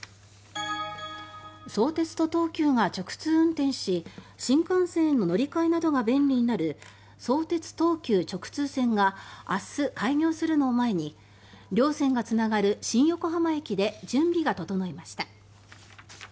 相鉄と東急が直通運転し新幹線への乗り換えなどが便利になる相鉄・東急直通線が明日、開業するのを前に両線がつながる新横浜駅で準備が整いました。